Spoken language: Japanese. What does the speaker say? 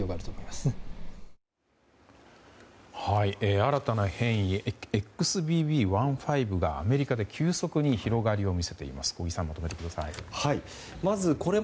新たな変異ＸＢＢ．１．５がアメリカで急速に広がりを見せています。